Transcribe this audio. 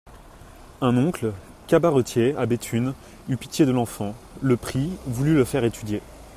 Un oncle, cabaretier à Béthune, eut pitié de l'enfant, le prit, voulut le faire étudier.